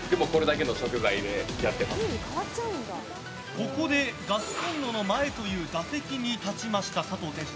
ここでガスコンロの前という打席に立ちました、佐藤店主。